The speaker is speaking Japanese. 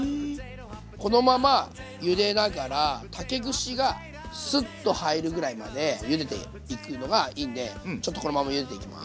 このままゆでながら竹串がスッと入るぐらいまでゆでていくのがいいんでちょっとこのままゆでていきます。